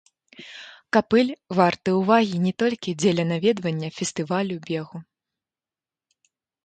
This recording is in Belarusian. Капыль варты ўвагі не толькі дзеля наведвання фестывалю бегу.